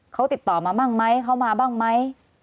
เขาติดต่อมาบ้างไหมเขามาบ้างไหม